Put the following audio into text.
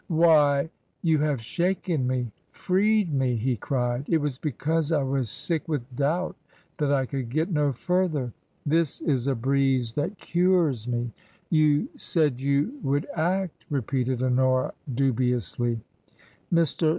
"Why! You have shaken me! Freed me!" he cried. " It was because I was sick with doubt that I could get no further. This is a breeze that cures me." «« 58 TRANSITION. "You said you would act/' repeated Honora, du biously. Mr.